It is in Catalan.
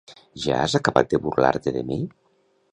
Ja has acabat de burlar-te de mi?